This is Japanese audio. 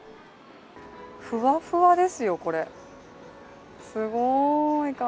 ふわふわですよこれ。